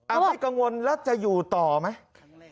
ไม่กังวลแล้วจะอยู่ต่อไหม